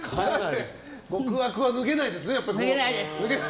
極悪は脱げないんですね。